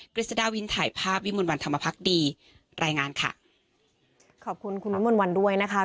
ฤษฎาวินถ่ายภาพวิมวลวันธรรมพักดีรายงานค่ะขอบคุณคุณวิมนต์วันด้วยนะคะ